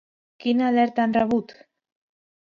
Quina alerta han rebut?